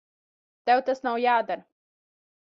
Tev tas nav jādara.